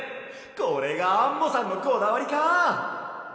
これがアンモさんのこだわりか！